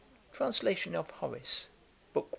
) Translation of HORACE. Book I.